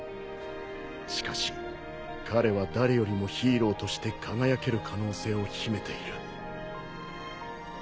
しかし彼は誰よりもヒーローとして輝ける可能性を秘めている。